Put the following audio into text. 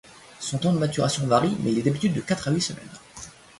Son temps de maturation varie, mais il est d'habitude de quatre à huit semaines.